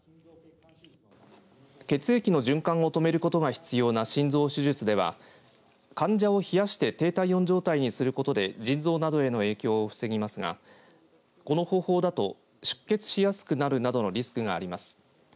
血液の循環を止めることが必要な心臓手術では患者を冷やして低体温状態にすることで腎臓などへの影響を防ぎますがこの方法だと出血しやすくなるなどのリスクがあります。